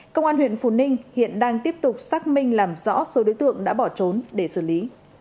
công an huyện phù ninh hiện đang tiếp tục xác minh làm rõ số đối tượng đã bỏ trốn để xử lý